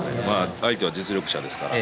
相手は実力者ですからね。